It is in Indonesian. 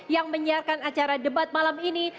yang menyiarkan acara debat malam ini